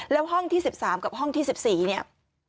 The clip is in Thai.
แล้วห้องที่๑๓กับห้องที่๑๔เนี่ย